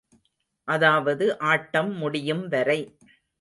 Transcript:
அதாவது ஆட்டம் முடியும் வரை.